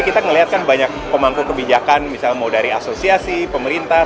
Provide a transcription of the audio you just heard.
kita melihatkan banyak pemangku kebijakan misalnya dari asosiasi pemerintah